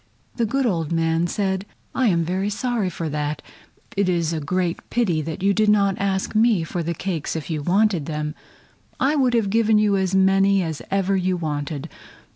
The good old man said: "I am very sorry for that. It is a great pity you did not ask me for the cakes if you wanted them. I would have given you as many as ever you wanted.